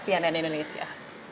sian dan indonesia